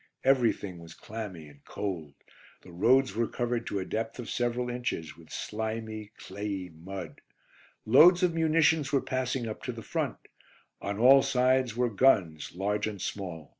Everything was clammy and cold. The roads were covered to a depth of several inches with slimy, clayey mud. Loads of munitions were passing up to the Front. On all sides were guns, large and small.